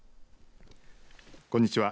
こんにちは。